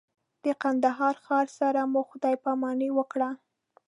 د کندهار ښار سره مو خدای پاماني وکړه.